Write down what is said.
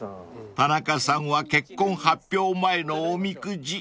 ［田中さんは結婚発表前のおみくじ］